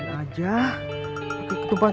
di mana aja kau coming